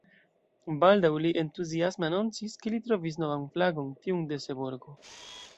Baldaŭ li entuziasme anoncis, ke li trovis novan flagon: tiun de Seborgo.